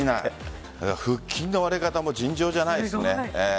腹筋の割れ方も尋常じゃないですよね。